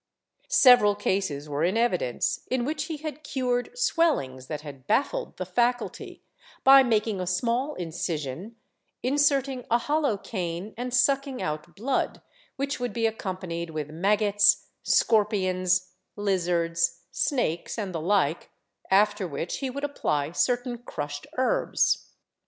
Several cases were in evidence in which he had cured swellings that had baffled the faculty, by making a small incision, inserting a hollow cane and sucking out l^lood, which would be accompanied with maggots, scorpions, lizards, snakes and the Hke, after which he would apply certain crushed herbs.